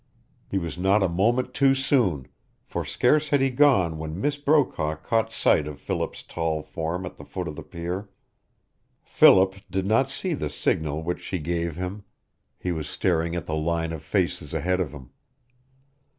He was not a moment too soon, for scarce had he gone when Miss Brokaw caught sight of Philip's tall form at the foot of the pier. Philip did not see the signal which she gave him. He was staring at the line of faces ahead of him.